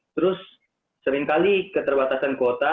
terus seringkali keterbatasan kuota